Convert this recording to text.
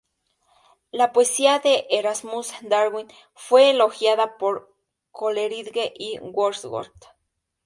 La poesía de Erasmus Darwin fue elogiada por Coleridge y Wordsworth.